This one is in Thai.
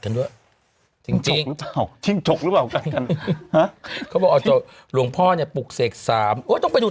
กันฮะเขาบอกเอาโจ่หลวงพ่อเนี่ยปุกเสกสามโอ๊ยต้องไปดู